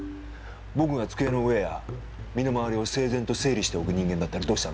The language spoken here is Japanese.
僕が机の上や身の回りを整然と整理しておく人間だったらどうしたの？